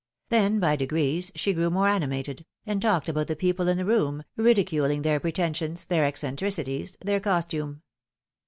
Then by degrees she grew more animated, and talked about the people in the room, ridiculing theii preten sions, their eccentricities, their costume.